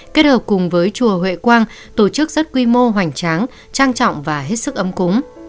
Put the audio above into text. kết hợp cùng với chùa huệ quang tổ chức rất quy mô hoành tráng trang trọng và hết sức ấm cúng